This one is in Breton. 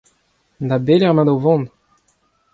Da belec'h emaout o vont ?